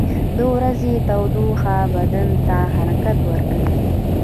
• د ورځې تودوخه بدن ته حرکت ورکوي.